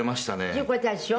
「１０超えたでしょ？」